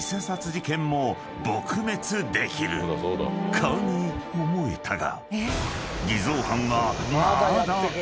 ［かに思えたが］